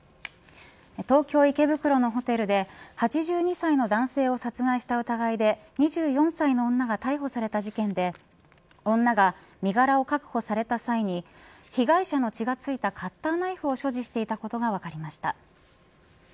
東京、池袋のホテルで８２歳の男性を殺害した疑いで２４歳の女が逮捕された事件で女が身柄を確保された際に被害者の血が付いたカッターナイフを所持していたことが分かりました。